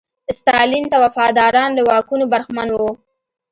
ستالین ته وفاداران له واکونو برخمن وو.